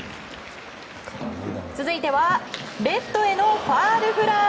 続いてはレフトへのファウルフライ。